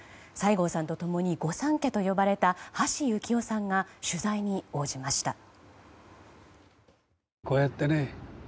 西郷さんと共に御三家と呼ばれた橋幸夫さんが取材に応じました。